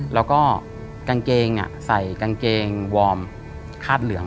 แล้วก็กางเกงใส่กางเกงวอร์มคาดเหลือง